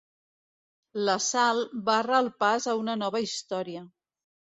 La Sal barra el pas a una nova història.